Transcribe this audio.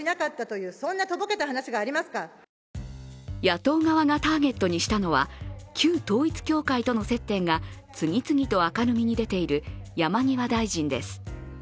野党側がターゲットにしたのは旧統一教会との接点が次々と明るみに出ている山際大臣です。